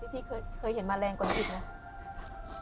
พี่คือเคยเห็นมะแรงกว่านี่ไหม